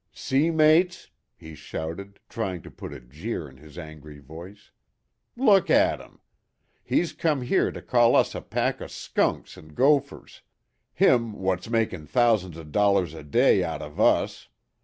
"See, mates," he shouted, trying to put a jeer in his angry voice, "look at 'im! He's come here to call us a pack o' skunks an' gophers. Him wot's makin' thousands o' dollars a day out of us.